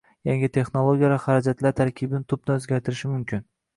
yangi texnologiyalar xarajatlar tarkibini tubdan o‘zgartirishi mumkin